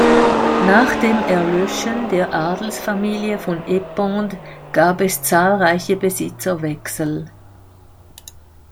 Nach dem Erlöschen der Adelsfamilie von Ependes gab es zahlreiche Besitzerwechsel.